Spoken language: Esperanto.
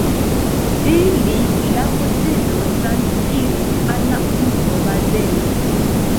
De li la posedo transiris al la urbo Bazelo.